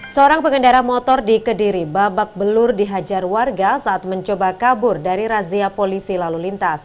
seorang pengendara motor di kediri babak belur dihajar warga saat mencoba kabur dari razia polisi lalu lintas